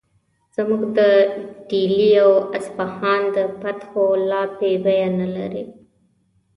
زموږ د ډیلي او اصفهان د فتحو لاپې بیه نه لري.